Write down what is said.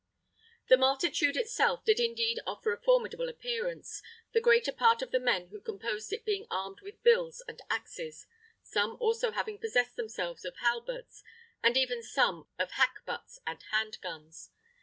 The multitude itself did indeed offer a formidable appearance, the greater part of the men who composed it being armed with bills and axes; some also having possessed themselves of halberts, and even some of hackbuts and hand guns.